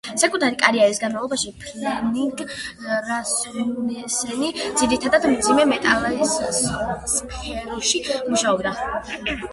საკუთარი კარიერის განმავლობაში ფლემინგ რასმუსენი ძირითადად მძიმე მეტალის სფეროში მუშაობდა.